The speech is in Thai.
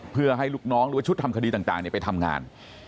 เพื่อให้ลูกน้องหรือว่าชุดทำคดีต่างไปทำงาน